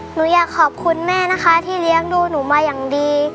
หนูอยากขอบคุณแม่นะคะที่เลี้ยงดูหนูมาอย่างดี